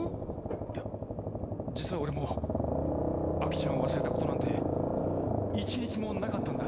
いや実は俺も亜紀ちゃんを忘れたことなんて一日もなかったんだ。